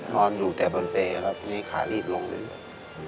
นอนอยู่แต่บนเปรย์แล้วมีขารีบลงเรื่อย